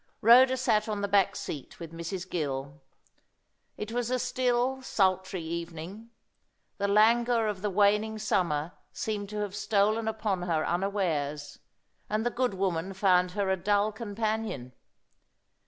Rhoda sat on the back seat with Mrs. Gill. It was a still, sultry evening. The languor of the waning summer seemed to have stolen upon her unawares, and the good woman found her a dull companion.